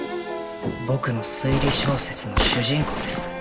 僕の推理小説の主人公です。